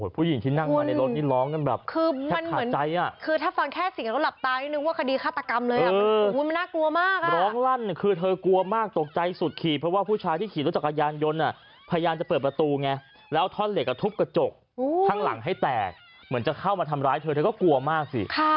พอแล้วพอแล้วพอแล้วพอแล้วพอแล้วพอแล้วพอแล้วพอแล้วพอแล้วพอแล้วพอแล้วพอแล้วพอแล้วพอแล้วพอแล้วพอแล้วพอแล้วพอแล้วพอแล้วพอแล้วพอแล้วพอแล้วพอแล้วพอแล้วพอแล้วพอแล้วพอแล้วพอแล้วพอแล้วพอแล้วพอแล้วพอแล้วพอแล้วพอแล้วพอแล้วพอแล้วพอแล้วพ